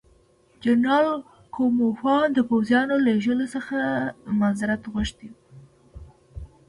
جنرال کوفمان د پوځیانو لېږلو څخه معذرت غوښتی وو.